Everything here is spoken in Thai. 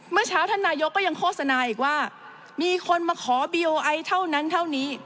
เมื่อเช้าท่านนายกก็ยังโฆษณาอีกว่ามีคนมาขอบีโอไอเท่านั้นเท่านี้